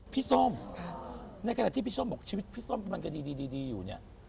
พี่ส้มในกระทะที่พี่ส้มออกชีวิตพี่ส้มมันก็ดีอยู่เนี่ย